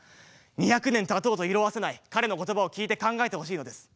２００年たとうと色あせない彼の言葉を聴いて考えてほしいのです。